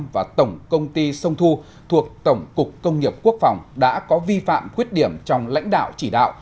và tổng công ty sông thu thuộc tổng cục công nghiệp quốc phòng đã có vi phạm khuyết điểm trong lãnh đạo chỉ đạo